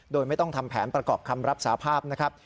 โดยไม่ต้องทำแผนประกอบคำรับสาภาพนะครับ